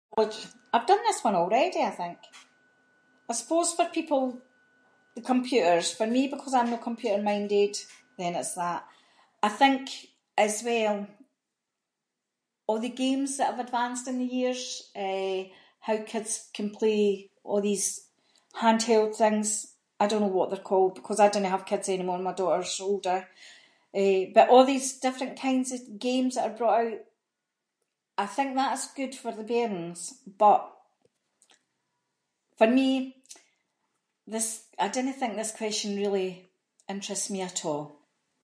What- I’ve done this one already I think. I suppose for people, the computers, for me ‘cause I’m no computer minded then that’s that. I think as well, a’ the games that have advanced in the years, eh, how kids can play a’ these handheld things, I don’t know what they’re called, because I dinnae have kids anymore, my daughter’s older. Eh, but all these different kinds of games that are brought out, I think that’s good for the bairns, but, for me, this, I dinnae think this question really interests me at a’.